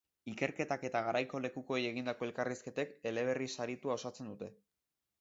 Ikerketak eta garaiko lekukoei egindako elkarrizketek eleberri saritua osatzen dute.